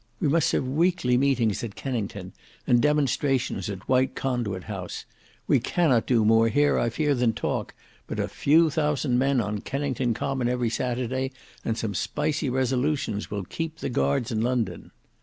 "We must have weekly meetings at Kennington and demonstrations at White Conduit House: we cannot do more here I fear than talk, but a few thousand men on Kennington Common every Saturday and some spicy resolutions will keep the Guards in London."